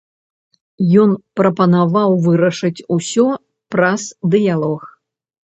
Ён прапанаваў вырашыць усё праз дыялог.